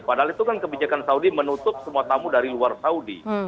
padahal itu kan kebijakan saudi menutup semua tamu dari luar saudi